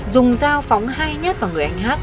dùng dao phóng hay nhất vào người anh hát